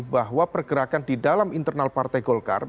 bahwa pergerakan di dalam internal partai golkar